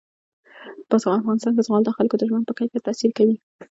په افغانستان کې زغال د خلکو د ژوند په کیفیت تاثیر کوي.